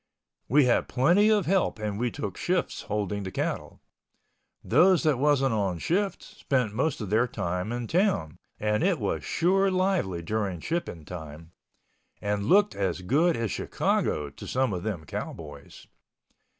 We had plenty of help and we took shifts holding the cattle. Those that wasn't on shift spent most of their time in town, and it was sure lively during shipping time—and looked as good as Chicago to some of them cowboys.